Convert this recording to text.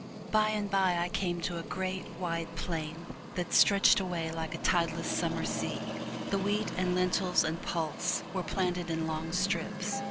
By and by I came to a great, wide plain that stretched away like a tideless summer sea. The wheat and lentils and pulse were planted in long strips.